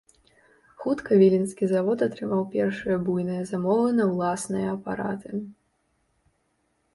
Хутка віленскі завод атрымаў першыя буйныя замовы на ўласныя апараты.